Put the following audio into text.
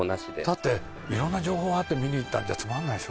だって、いろんな情報あって、見に行ったんじゃつまらないでしょ。